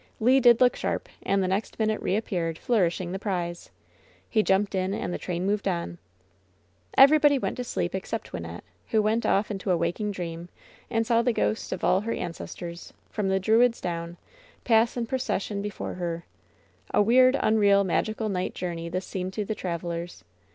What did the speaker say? Le did look sharp, and the next minute reappeared, flourishing the prize. He jumped in, and the train moved on. Everybody went to sleep except Wynnette, who went off into a waking dream, and saw the ghosts of all her ancestors, from the Druids down, pass in procession be fore her. A weird, unreal, magical night journey this seemed to the travelers.